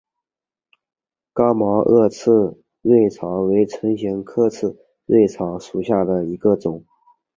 刚毛萼刺蕊草为唇形科刺蕊草属下的一个种。